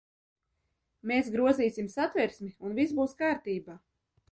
Mēs grozīsim Satversmi, un viss būs kārtībā.